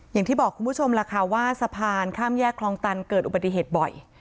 อย่างที่บอกคุณผู้ชมล่ะค่ะว่าสะพานข้ามแยกคลองตันเกิดอุบัติเหตุบ่อย